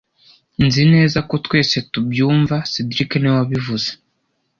Nzi neza ko twese tubyumva cedric niwe wabivuze